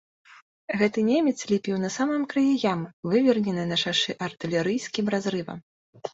Гэты немец ліпеў на самым краі ямы, выверненай на шашы артылерыйскім разрывам.